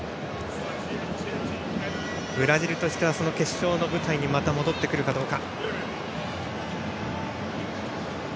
ブラジルとしてはその決勝の舞台にまた戻ってくるかどうか。